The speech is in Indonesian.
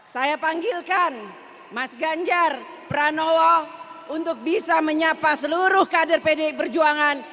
saya panggilkan mas ganjar pranowo untuk bisa menyapa seluruh kader pdi perjuangan